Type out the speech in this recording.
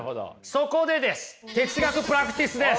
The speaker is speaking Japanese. そこでです哲学プラクティスです！